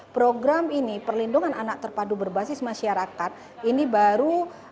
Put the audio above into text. program ini perlindungan anak terpadu berbasis masyarakat ini baru